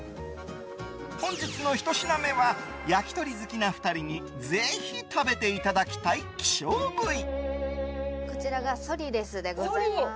本日のひと品目は焼き鳥好きな２人にぜひ食べていただきたい希少部位。